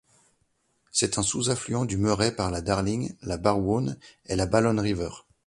C'est un sous-affluent du Murray par la Darling, la Barwon et la Balonne River.